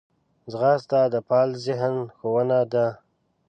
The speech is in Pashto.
ځغاسته د فعال ذهن ښوونه ده